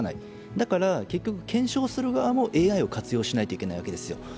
だから結局、検証する側もＡＩを活用しなければいけないわけですよ。